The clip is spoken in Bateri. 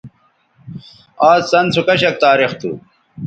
آز څَن سو کشک تاریخ تھو